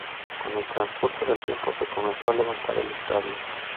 Con el transcurso del tiempo, se comenzó a levantar el estadio.